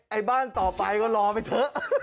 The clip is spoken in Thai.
บ้านต่อไปก็รอไปเถอะ